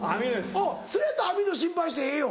そやったら網戸心配してええよ。